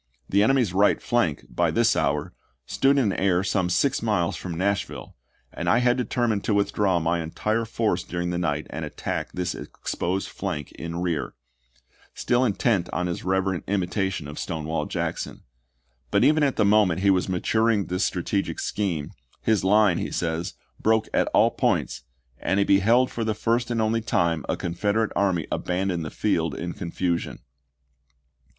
The enemy's right flank, by this hour, stood in air some six miles from Nashville, and I had determined to withdraw my entire force during the night and attack this exposed flank in rear"; still intent on his reverent imitation of Stonewall Jackson. But even at the moment he was maturing this strategic scheme, his line, he says, " broke at all points," and he " beheld for the first and only time a Confederate army abandon the field in confusion."